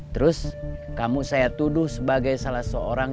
terus kamu saya tuduh sebagai salah seorang